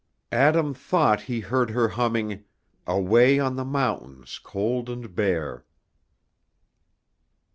Adam thought he heard her humming, "Away on the mountains cold and bare."